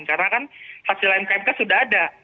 karena kan hasil mkmk sudah ada